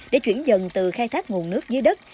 để chuyển dần từ khai thác nguồn nước dưới đất